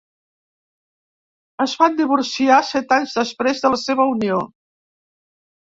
Es van divorciar set anys després de la seva unió.